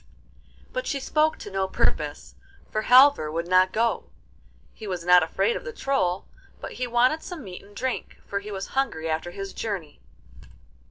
But she spoke to no purpose, for Halvor would not go; he was not afraid of the Troll, but he wanted some meat and drink, for he was hungry after his journey.